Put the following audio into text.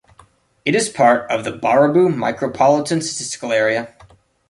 It is part of the Baraboo micropolitan statistical area.